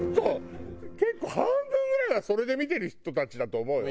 結構半分ぐらいはそれで見てる人たちだと思うよ。